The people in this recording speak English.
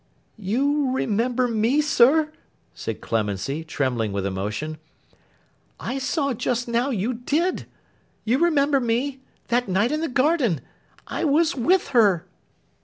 'You remember me, sir?' said Clemency, trembling with emotion; 'I saw just now you did! You remember me, that night in the garden. I was with her!